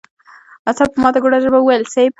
عسکر په ماته ګوډه ژبه وويل: صېب!